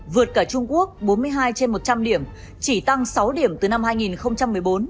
vượt cả trung quốc bốn mươi hai trên một trăm linh điểm chỉ tăng sáu điểm từ năm hai nghìn một mươi bốn